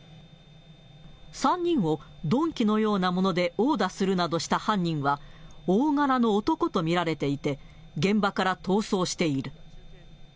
３人を鈍器のようなもので殴打するなどした犯人は、大柄の男と見られていて、現場から逃走している。